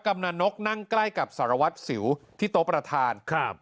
กำลังนกนั่งใกล้กับสารวัตรสิวที่โต๊ะประธานครับ